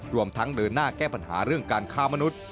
รวมทั้งเดินหน้าแก้ปัญหาเรื่องการค้ามนุษย์